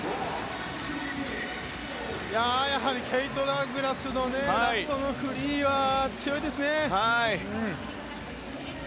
やはりケイト・ダグラスのラストのフリーは強いですね。